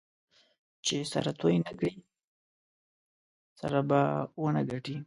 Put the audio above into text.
چې سره توی نه کړې؛ سره به و نه ګټې.